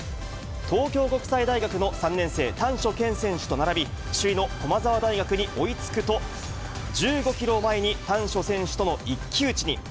東京国際大学の３年生、丹所健選手と並び、首位の駒澤大学に追いつくと、１５キロを前に丹所選手との一騎打ちに。